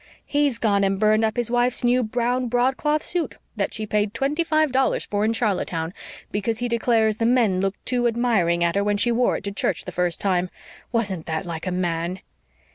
"He's gone and burned up his wife's new, brown broadcloth suit, that she paid twenty five dollars for in Charlottetown, because he declares the men looked too admiring at her when she wore it to church the first time. Wasn't that like a man?"